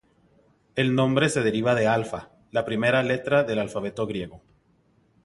El nombre se deriva de alfa, la primera letra en el alfabeto griego.